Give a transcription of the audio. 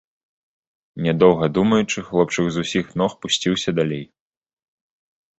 Нядоўга думаючы, хлопчык з усіх ног пусціўся далей.